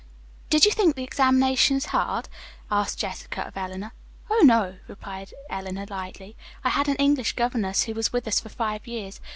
"Did you think the examinations hard?" asked Jessica of Eleanor. "Oh, no," replied Eleanor lightly. "I had an English governess who was with us for five years.